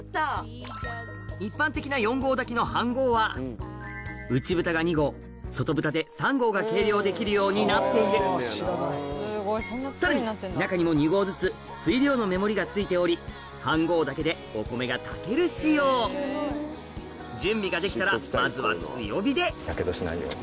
一般的な４合炊きの飯盒は内ブタが２合外ブタで３合が計量できるようになっているさらに中にも２合ずつ水量の目盛りが付いており飯盒だけでお米が炊ける仕様準備ができたらまずは強火でヤケドしないように。